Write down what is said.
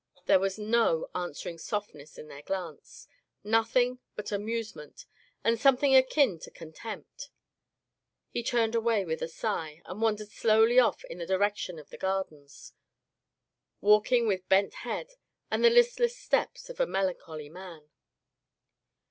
There was no answering softness in their glance — nothing but amusement and something akin to contempt. He turned away with a sigh, and wan dered slowly off in the direction of the gardens, walking with bent head, and the listless steps of a melancholy man.